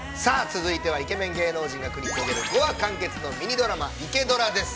続いてはイケメン芸能人が繰り広げる、５話完結のミニドラマ「イケドラ」です。